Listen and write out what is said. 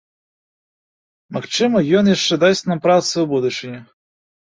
Магчыма, ён яшчэ дасць нам працы ў будучыні.